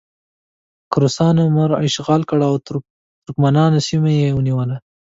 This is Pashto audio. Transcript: که روسانو مرو اشغال کړه او ترکمنانو سیمه یې ونیوله.